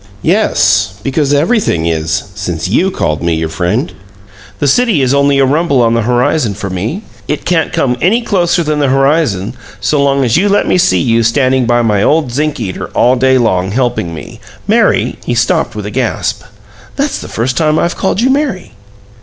"Yes, because everything is, since you called me your friend. The city is only a rumble on the horizon for me. It can't come any closer than the horizon so long as you let me see you standing by my old zinc eater all day long, helping me. Mary " He stopped with a gasp. "That's the first time I've called you 'Mary'!"